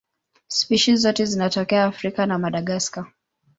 Spishi zote zinatokea Afrika na Madagaska.